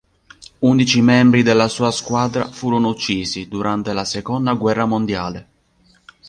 Undici membri della sua squadra furono uccisi durante la seconda guerra mondiale.